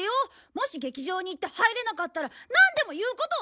もし劇場に行って入れなかったらなんでも言うことを聞くよ！